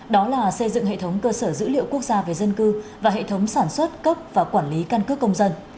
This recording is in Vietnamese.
đó là xây dựng hệ thống cơ sở dữ liệu quốc gia về dân cư và hệ thống sản xuất cấp và quản lý căn cước công dân